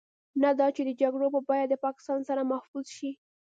نه دا چې د جګړو په بيه د پاکستان سر محفوظ شي.